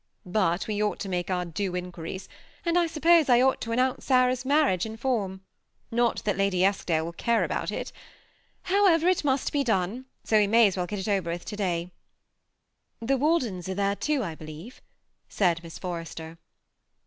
But we ought to make our due inquiries, and I suppose I ought to announce Sarah's marriage in ^rm ; not that Lady Eskdale will care about it How ever, it must be done ; so we may as well get it over to day." " The Waldens are there too, I believe," said Miss Forrester.